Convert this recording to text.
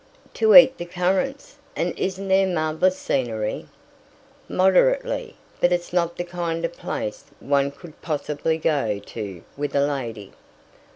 "To eat the currants. And isn't there marvellous scenery?" "Moderately, but it's not the kind of place one could possibly go to with a lady."